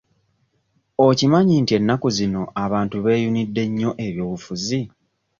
Okimanyi nti ennaku zino abantu beeyunidde nnyo ebyobufuzi?